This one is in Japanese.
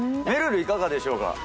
めるるいかがでしょうか？